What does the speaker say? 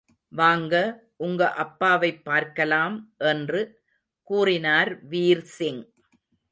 வாங்க, உங்க அப்பாவைப் பார்க்கலாம் என்று கூறினார் வீர்சிங்.